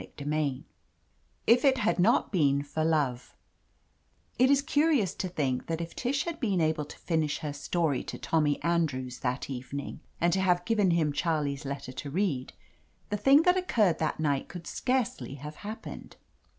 CHAPTER XI IF IT HAD NOT BEEN FOR LOVE IT is curious to think that if Tish had been able to finish her story to Tommy An drews that evening, and to have given him Charlie's letter to read, the thing that occurred that night could scarcely have happened.